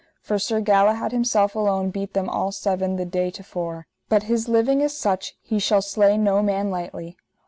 For Sir Galahad himself alone beat them all seven the day to fore, but his living is such he shall slay no man lightly.